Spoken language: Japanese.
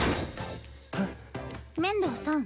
面堂さん